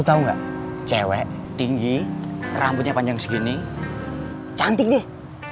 lo tau gak cewek tinggi rambutnya panjang segini cantik deh